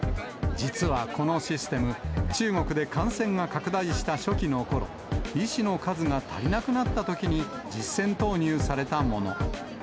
実はこのシステム、中国で感染が拡大した初期のころ、医師の数が足りなくなったときに実戦投入されたもの。